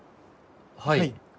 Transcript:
はい。